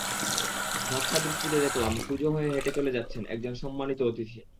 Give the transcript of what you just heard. ঝাপসা দৃষ্টিতে দেখলাম কুঁজো হয়ে হেঁটে চলে যাচ্ছেন একজন সম্মানিত অতিথি।